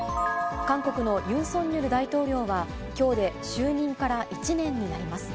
韓国のユン・ソンニョル大統領は、きょうで就任から１年になります。